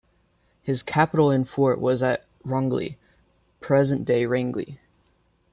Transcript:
His capital and fort was at Rongli, present day Rangeli.